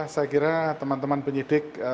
saya kira teman teman penyidik